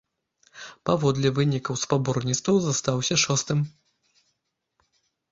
Паводле вынікаў спаборніцтваў застаўся шостым.